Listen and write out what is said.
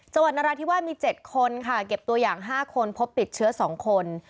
นราธิวาสมี๗คนค่ะเก็บตัวอย่าง๕คนพบติดเชื้อ๒คน